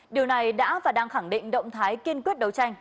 điều này đã và đang khẳng định động thái kiên quyết đấu tranh